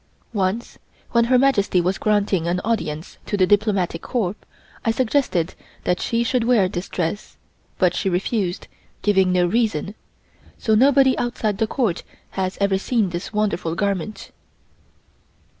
Once when Her Majesty was granting an audience to the Diplomatic Corps, I suggested that she should wear this dress, but she refused, giving no reason, so nobody outside the Court has ever seen this wonderful garment.